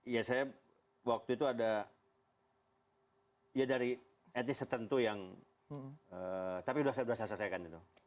ya saya waktu itu ada ya dari etis tertentu yang tapi sudah selesai selesaikan